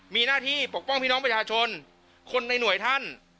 มีหน้าที่ปกป้องพี่น้องประชาชนคนในหน่วยท่าน